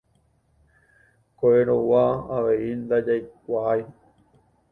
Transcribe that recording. Ko'ẽrõgua avei ndajaikuáai.